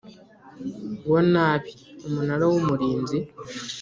wa nabi Umunara w Umurinzi